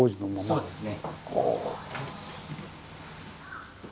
そうですね。